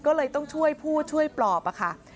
ก็เลยต้องช่วยผู้ช่วยปลอบอะค่ะ